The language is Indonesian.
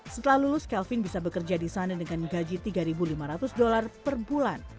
setelah lulus kelvin bisa bekerja di sana dengan gaji tiga lima ratus dolar per bulan